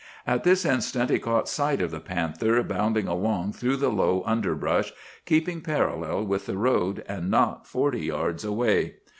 "At this instant he caught sight of the panther bounding along through the low underbrush, keeping parallel with the road, and not forty yards away.